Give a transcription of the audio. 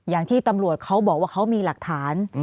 อย่างที่ตำรวจเขาบอกว่าเขามีหลักฐาน